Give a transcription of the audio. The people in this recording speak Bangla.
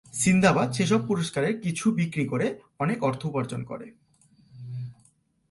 সিন্দাবাদ সেসব পুরস্কারের কিছু বিক্রি করে অনেক অর্থ উপার্জন করে।